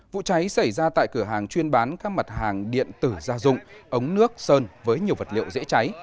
vụ cháy xảy ra tại cửa hàng chuyên bán các mặt hàng điện tử gia dụng ống nước sơn với nhiều vật liệu dễ cháy